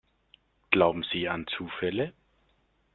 Glauben Sie an Zufälle?